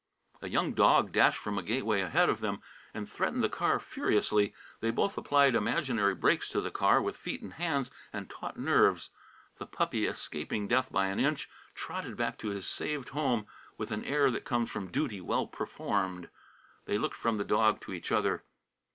A young dog dashed from a gateway ahead of them and threatened the car furiously. They both applied imaginary brakes to the car with feet and hands and taut nerves. The puppy escaping death by an inch, trotted back to his saved home with an air that comes from duty well performed. They looked from the dog to each other.